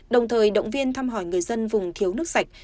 đồng thời động viên thăm hỏi người dân vùng thiếu nước sạch